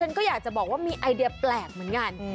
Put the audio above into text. ฉันก็อยากจะบอกว่ามีไอเดียแปลกเหมือนกัน